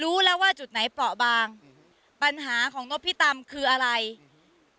รู้แล้วว่าจุดไหนเปราะบางปัญหาของนบพิตำคืออะไรอืม